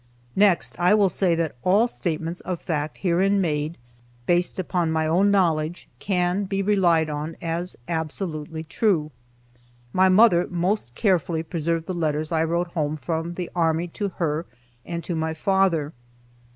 Next I will say that all statements of fact herein made, based upon my own knowledge, can be relied on as absolutely true. My mother most carefully preserved the letters I wrote home from the army to her and to my father.